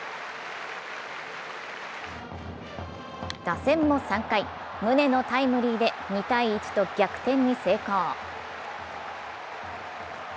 打線も３回、宗のタイムリーで２−１と逆転に成功。